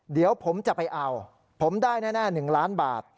เดี๋ยวผมจะไปเอาผมได้แน่๑ล้านบาท